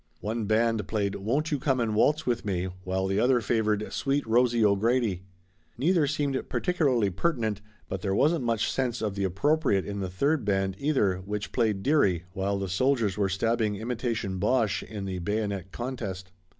One band played "Won't You Come and Waltz With Me?" while the other favored "Sweet Rosie O'Grady." Neither seemed particularly pertinent, but there wasn't much sense of the appropriate in the third band, either, which played "Dearie," while the soldiers were stabbing imitation Boches in the bayonet contest.